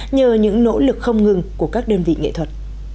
nhờ những nỗ lực không ngừng của các đơn vị nghệ thuật